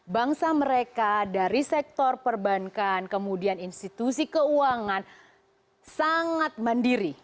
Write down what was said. bangsa mereka dari sektor perbankan kemudian institusi keuangan sangat mandiri